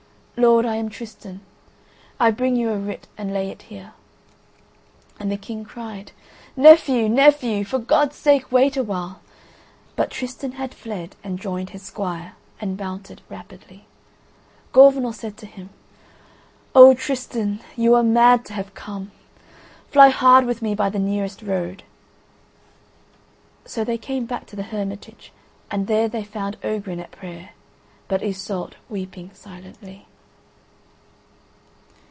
"Lord, I am Tristan: I bring you a writ, and lay it here." Then the King cried: "Nephew! nephew! for God's sake wait awhile," but Tristan had fled and joined his squire, and mounted rapidly. Gorvenal said to him: "O, Tristan, you are mad to have come. Fly hard with me by the nearest road." So they came back to the Hermitage, and there they found Ogrin at prayer, but Iseult weeping silently.